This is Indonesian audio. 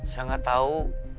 saya gak tau